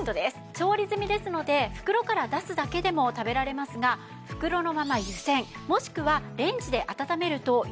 調理済みですので袋から出すだけでも食べられますが袋のまま湯せんもしくはレンジで温めるとより美味しく。